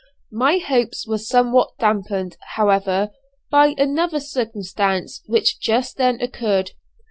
My hopes were somewhat damped, however, by another circumstance which just then occurred.